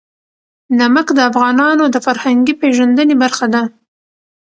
نمک د افغانانو د فرهنګي پیژندنې برخه ده.